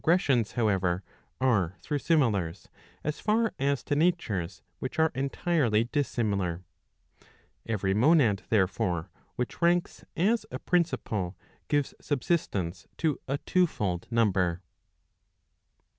sions, however, are through similars, as far as to natures which are entirely dissimilar. Every monad, therefore, which ranks as a principle, gives subsistence to a two fold number.